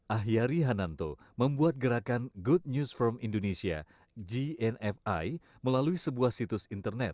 ahyari hananto membuat gerakan good news from indonesia gnfi melalui sebuah situs internet